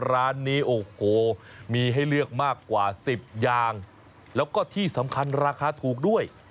ร้านนี้โอ้โหมีให้เลือกมากกว่า๑๐อย่างแล้วก็ที่สำคัญราคาถูกด้วย